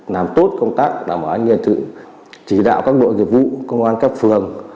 làm tốt công tác đảm bảo anh nghe thự chỉ đạo các đội nghiệp vụ công an các phường